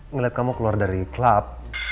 ngelihat kamu keluar dari klub